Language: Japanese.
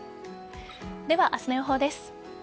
では、明日の予報です。